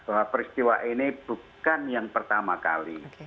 karena peristiwa ini bukan yang pertama kali